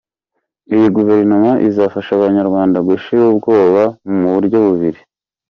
Iyi Guverinoma izafasha Abanyarwanda gushira ubwoba mu buryo bubiri: